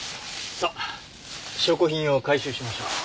さっ証拠品を回収しましょう。